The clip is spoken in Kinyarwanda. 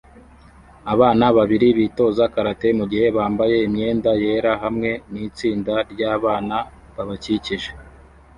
Abana babiri bitoza karate mugihe bambaye imyenda yera hamwe nitsinda ryabana babakikije